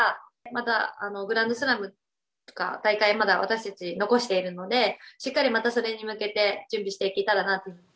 まだグランドスラムとか大会、まだ私たち、残しているので、しっかりまたそれに向けて、準備していけたらなと。